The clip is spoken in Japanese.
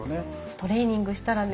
トレーニングしたらね